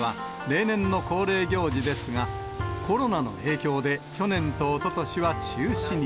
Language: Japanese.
この幼稚園では、例年の恒例行事ですが、コロナの影響で、去年とおととしは中止に。